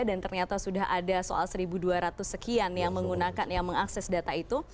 dan ternyata sudah ada soal seribu dua ratus sekian yang mengakses data itu